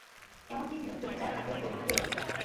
এমন কি ফিরোজ যদি চায়, তাকেও দেবে না।